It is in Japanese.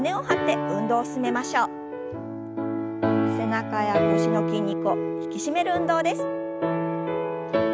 背中や腰の筋肉を引き締める運動です。